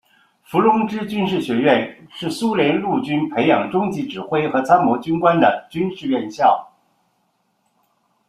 伏龙芝军事学院是苏联陆军培养中级指挥和参谋军官的军事院校。